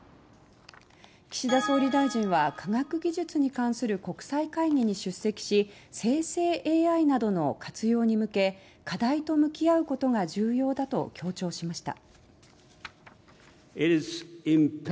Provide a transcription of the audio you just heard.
岸田総理大臣は科学技術に関する国際会議に出席し生成ＡＩなどの活用に向け課題と向き合うことが重要だと強調しました。